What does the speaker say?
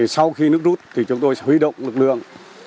sau khi nước rút thì chúng tôi sẽ huy động lực lượng